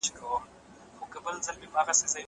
دا ليکنې له هغه ګټورې دي!!